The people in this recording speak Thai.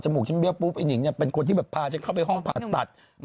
มูกฉันเบี้ยปุ๊บไอ้หนิงเป็นคนที่แบบพาฉันเข้าไปห้องผ่าตัด